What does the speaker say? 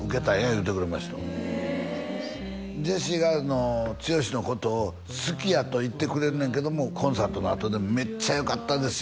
言うてくれましたジェシーが剛のことを「好きや」と言ってくれるねんけどもコンサートのあとでも「めっちゃよかったですよ」